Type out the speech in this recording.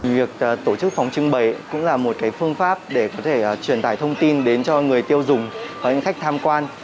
việc tổ chức phòng trưng bày cũng là một phương pháp để có thể truyền tải thông tin đến cho người tiêu dùng và những khách tham quan